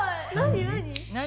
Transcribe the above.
何？